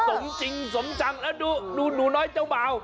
สมจริงสมจังแล้วดูหนูน้อยเจ้าบ่าว